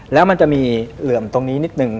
แล้วมันจะมีเหลื่อมตรงนี้นิดนึง